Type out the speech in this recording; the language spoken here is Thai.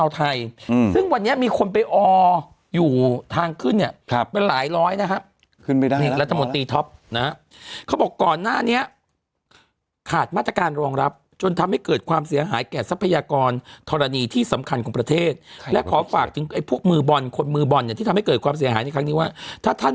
แต่อันนี้คือเขียนเป็นตัวหนังสือเลยนะ